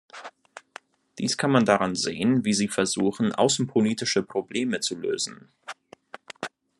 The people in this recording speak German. Dies kann man daran sehen, wie sie versuchen, außenpolitische Probleme zu lösen.